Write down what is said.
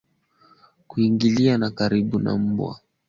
Kuingiliana kwa karibu kwa mbwa mwitu hupelekea ugonjwa wa kichaa cha mbwa